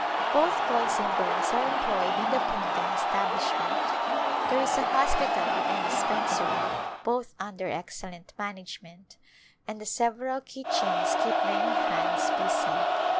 Both boys and girls are employed in the printing establishment. There is a hospital and dispensary, both under excellent management, and the several kitchens keep many hands busy.